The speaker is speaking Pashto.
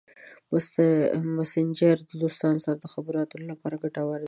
مسېنجر د دوستانو سره د خبرو اترو لپاره ګټور دی.